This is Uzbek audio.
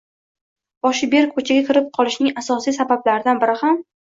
boshi berk ko‘chaga kirib qolishining asosiy sabablaridan biri ham